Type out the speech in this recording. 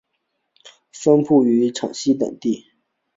分布于广西等地。